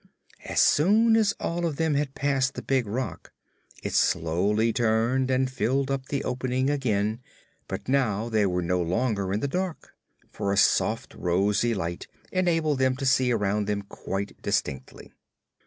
As soon as all of them had passed the big rock, it slowly turned and filled up the opening again; but now they were no longer in the dark, for a soft, rosy light enabled them to see around them quite distinctly.